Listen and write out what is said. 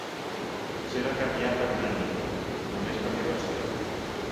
Potser va canviar per una nit... només per diversió.